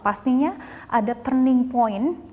pastinya ada turning point